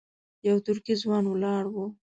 یو ترکی ځوان ولاړ و.